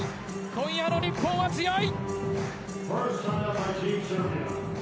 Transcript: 今夜の日本は強い！